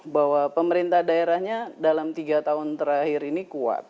bahwa pemerintah daerahnya dalam tiga tahun terakhir ini kuat